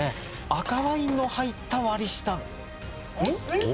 赤ワインの入った割下えっ？